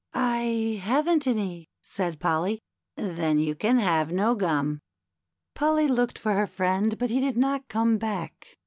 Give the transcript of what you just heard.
" I haven't any," said Polly. " Then you can have no gum." Polly looked for her friend, but he did not come hack.